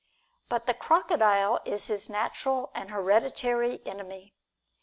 But the crocodile is his natural and hereditary enemy.